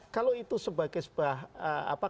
kalau itu sebagai sebuah